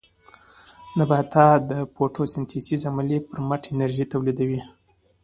نباتات د فوټوسنټیز عملیې پر مټ انرژي تولیدوي